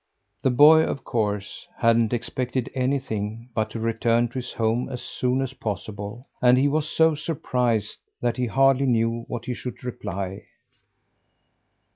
The boy, of course, hadn't expected anything but to return to his home as soon as possible, and he was so surprised that he hardly knew what he should reply.